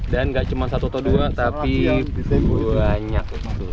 dan enggak cuma satu atau dua tapi banyak